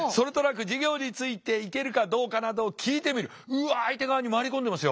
うわっ相手側に回り込んでますよ。